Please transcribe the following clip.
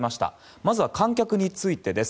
まずは、観客についてです。